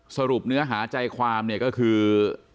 สรุปเนื้อหาใจความเนี่ยก็คือ